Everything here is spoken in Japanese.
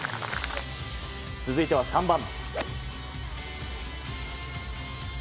続いては３番。